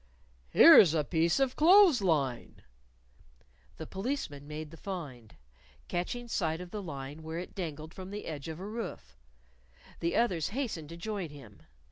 "Here's a piece of clothes line!" The Policeman made the find catching sight of the line where it dangled from the edge of a roof. The others hastened to join him.